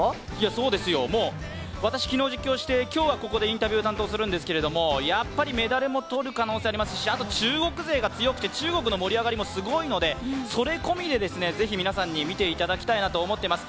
そうですよ、もう私昨日実況して今日は、ここでインタビューするんですがやっぱりメダルを取る可能性もありますし中国勢が強くて中国の盛り上がりもすごいので、それ込みで是非皆さんに見ていただきたいと思っています